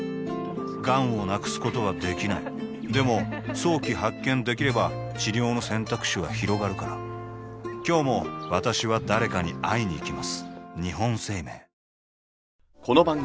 がんを無くすことはできないでも早期発見できれば治療の選択肢はひろがるから今日も私は誰かに会いにいきます